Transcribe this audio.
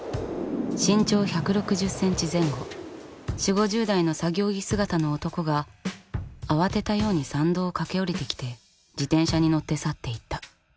身長１６０ｃｍ前後４０５０代の作業着姿の男が慌てたように山道を駆け下りてきて自転車に乗って去っていった。